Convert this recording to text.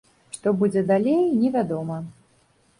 Што будзе далей не вядома.